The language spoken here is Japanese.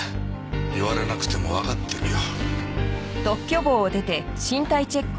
言われなくてもわかってるよ。